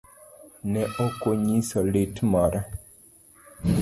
Ne okonyiso lit moro.